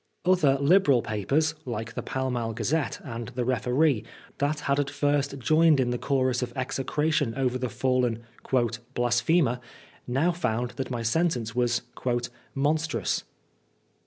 Other Liberal papers, like the Pall Mall Gazette and the Referee^ that had at first joined in the chorus of execration over the fallen " blasphemer," now found that my sentence was " monstrous."